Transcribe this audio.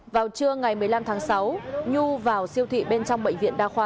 vào trưa ngày một mươi năm tháng sáu nhu vào siêu thị bên trong bệnh viện đa khoa